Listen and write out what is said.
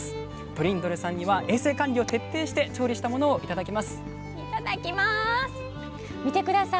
トリンドルさんには衛生管理を徹底して調理したものをいただいてもらいます。